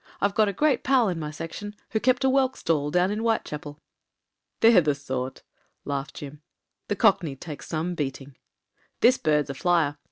I've got a great pal in my section — ^who kept a whelk stall down in Whitechapel." "They're the sort," laughed Jim. *The Cockney takes some beating." "This bird's a flier.